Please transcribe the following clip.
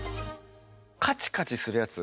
カチカチするやつ？